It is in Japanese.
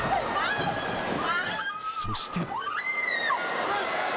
そして。